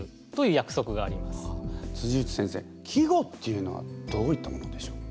内先生季語っていうのはどういったものでしょう？